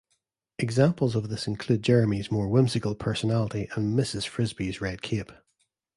Examples of this include Jeremy's more whimsical personality and Mrs. Frisby's red cape.